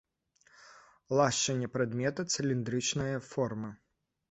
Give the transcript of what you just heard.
Лашчанне прадмета цыліндрычнае формы.